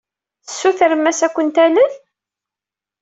Tessutrem-as ad ken-talel?